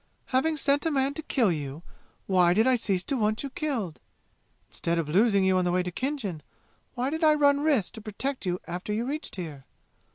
"Having sent a man to kill you, why did I cease to want you killed? Instead of losing you on the way to Khinjan, why did I run risks to protect you after you reached here?